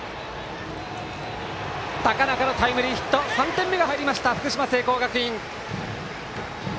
高中のタイムリーヒット３点目が入りました福島・聖光学院。